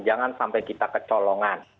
jangan sampai kita kecolongan